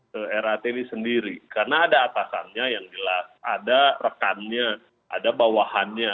karena ada atasannya yang jelas ada rekannya ada bawahannya